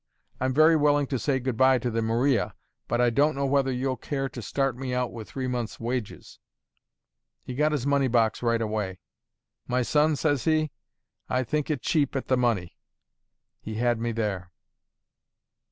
I'm very willing to say good by to the Maria, but I don't know whether you'll care to start me out with three months' wages.' He got his money box right away. 'My son,' says he, 'I think it cheap at the money.' He had me there."